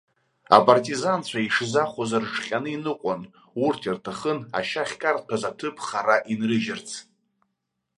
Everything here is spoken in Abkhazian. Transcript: Апартизанцәа ишзахәоз рыҽҟьаны иныҟәон урҭ ирҭахын, ашьа ахькарҭәаз аҭыԥ хара инрыжьрац.